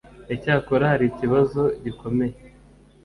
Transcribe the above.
Icyakora hari ikibazo gikomeye